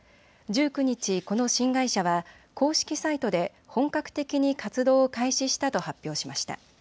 １９日、この新会社は公式サイトで本格的に活動を開始したと発表しました。